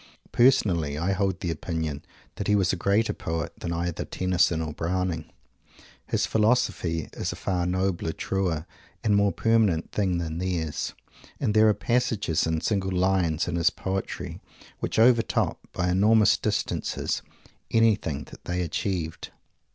Personally I hold the opinion that he was a greater poet than either Tennyson or Browning. His philosophy is a far nobler, truer, and more permanent thing than theirs, and there are passages and single lines in his poetry which over top, by enormous distances, anything that they achieved.